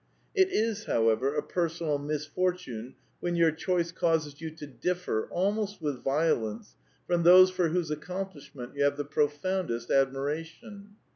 It is, however, a personal misfortune when your choice causes you to differ, almost with violence, from those for whose accomplishment you have the profoundest admira tion.